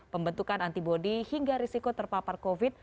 pembentukan antibody hingga risiko terpapar covid sembilan belas